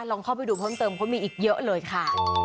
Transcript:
ลองเข้าไปดูเพิ่มเติมเพราะมีอีกเยอะเลยค่ะ